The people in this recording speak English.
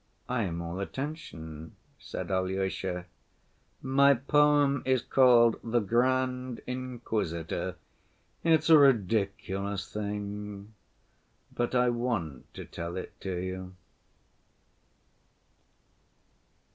"I am all attention," said Alyosha. "My poem is called 'The Grand Inquisitor'; it's a ridiculous thing, but I want to tell it to you."